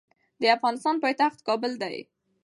د افغانستان پایتخت کابل دي